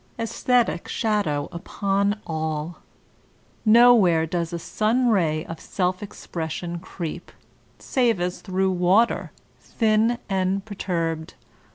Ascetic shadow upon all; nowhere does a sun ray of self expression creep, save as through water, thin and per turbed.